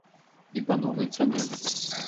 І па новай цане.